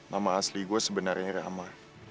nama asli gue sebenarnya ramah